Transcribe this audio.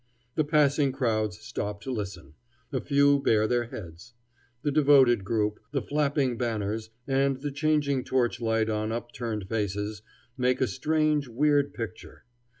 The passing crowds stop to listen. A few bare their heads. The devoted group, the flapping banners, and the changing torchlight on upturned faces, make a strange, weird picture.